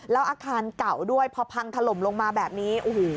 แล้วอาคารเก่าด้วยพอพังถล่มลงมาแบบนี้โอ้โห